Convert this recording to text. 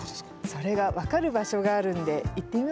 それが分かる場所があるんで行ってみましょうか。